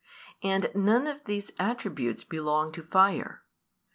And none of these attributes belong to fire.